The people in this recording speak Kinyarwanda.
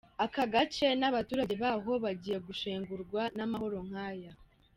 Aka gace n’abaturage baho bagiye gushengurwa n’amahano nk’aya.